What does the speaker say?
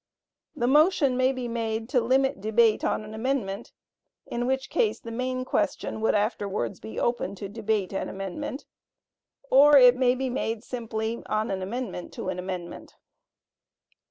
The motion may be made to limit debate on an amendment, in which case the main question would afterwards be open to debate and amendment; or it may be made simply on an amendment to an amendment.